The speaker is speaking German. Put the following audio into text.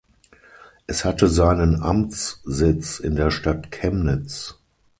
Es hatte seinen Amtssitz in der Stadt Chemnitz.